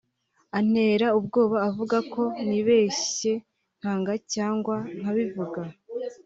antera ubwoba avuga ko nibeshye nkanga cyangwa nkabivuga